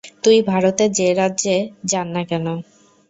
তুই ভারতের যে রাজ্যে যান না কেন।